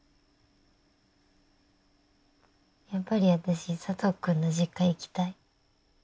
やっぱり私佐藤君の実家行きたい。